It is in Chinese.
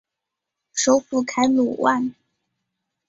首府凯鲁万。